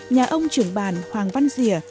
nhà ông trưởng bàn hoàng văn dìa